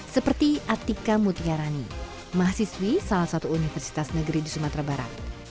seperti atika mutiarani mahasiswi salah satu universitas negeri di sumatera barat